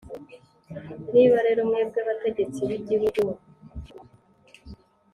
Niba rero, mwebwe bategetsi b’igihugu,